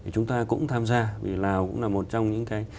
chúng ta cũng tham gia vì lào cũng là một trong những cái